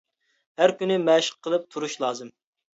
ھەر كۈنى مەشىق قىلىپ تۇرۇش لازىم.